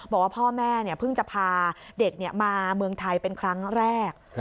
บอกว่าพ่อแม่เพิ่งจะพาเด็กมาเมืองไทยเป็นครั้งแรก